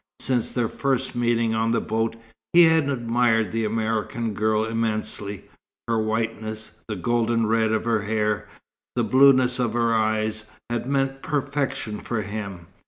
Since their first meeting on the boat, he had admired the American girl immensely. Her whiteness, the golden red of her hair, the blueness of her eyes had meant perfection for him.